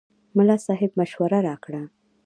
ملا صاحب مشوره راکړه.